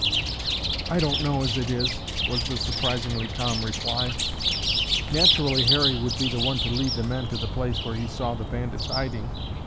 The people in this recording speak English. "I don't know as it is," was the surprisingly calm reply. "Naturally Harry would be the one to lead the men to the place where he saw the bandits hiding."